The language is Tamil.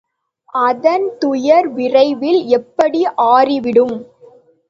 அதன் துயர் விரைவில் எப்படி ஆறிவிடும்?